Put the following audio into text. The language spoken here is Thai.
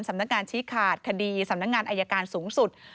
สำนักงานชี้ขาดคดีสำนักงานอายการสูงสุด